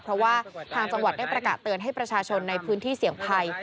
เพราะว่าทางจังหวัดได้ประกาศเตือนให้ประชาชนในพื้นที่เสี่ยงภัย